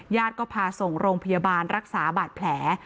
ก็พาส่งโรงพยาบาลรักษาบาดแผล